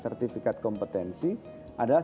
sertifikat kompetensi adalah